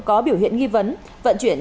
có biểu hiện nghi vấn vận chuyển